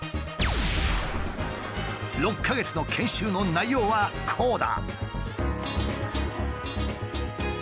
６か月の研修の内容はこうだ。